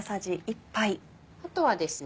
あとはですね